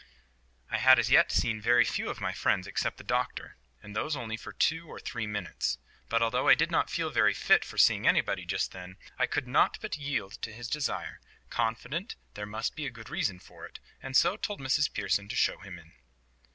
I had as yet seen very few of my friends, except the Doctor, and those only for two or three minutes; but although I did not feel very fit for seeing anybody just then, I could not but yield to his desire, confident there must be a good reason for it, and so told Mrs Pearson to show him in.